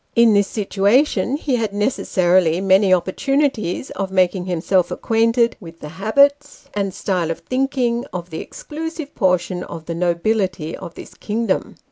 In this situation ho had necessarily many opportunities of making himself acquainted with the habits, and style of thinking, of the exclusive portion of the nobility of this kingdom.